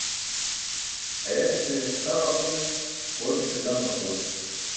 Ayatise sa ġaqul, ootise dan-ġaqul.